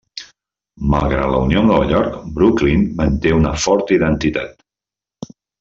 Malgrat la unió amb Nova York, Brooklyn manté una forta identitat.